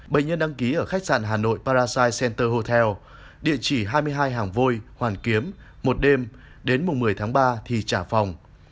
bệnh nhân đăng ký ở khách sạn hà nội parasite center hotel địa chỉ hai mươi hai hàng vôi hoàn kiếm một đêm đến mùng một mươi tháng ba thì trả phòng